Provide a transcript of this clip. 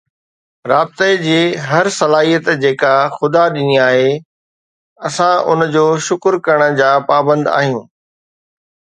رابطي جي هر صلاحيت جيڪا خدا ڏني آهي، اسان ان جو شڪر ڪرڻ جا پابند آهيون.